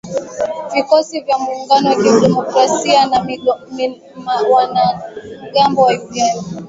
Vikosi vya Muungano wa Kidemokrasia ni wanamgambo wa Uganda.